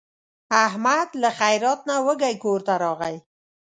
احمد له خیرات نه وږی کورته راغی.